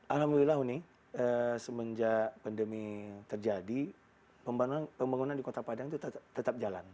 alhamdulillah semenjak pandemi terjadi pembangunan di kota padang itu tetap jalan